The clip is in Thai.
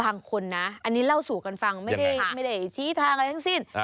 บางคนนะอันนี้เล่าสู่กันฟังไม่ได้ชี้ทางอะไรทั้งสิ้น